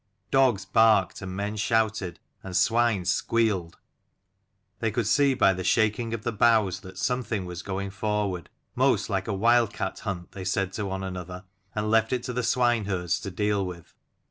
Dogs barked, and men shouted, and swine squealed. They could see by the shaking of the boughs that something was going forward : most like a wild cat hunt, they said to one another, and left it to the swine herds to deal with.